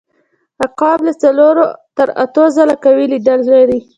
عقاب له څلور تر اتو ځله قوي لید لري.